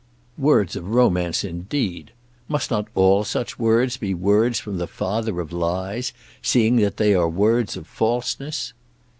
Words of romance, indeed! Must not all such words be words from the Father of Lies, seeing that they are words of falseness?